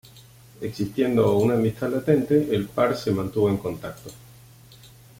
Existiendo una amistad latente, el par se mantuvo en contacto.